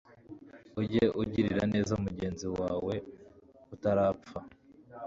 ujye ugirira neza mugenzi wawe utarapfa